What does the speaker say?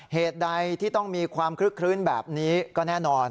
เหตุใดที่ต้องมีความคลึกคลื้นแบบนี้ก็แน่นอน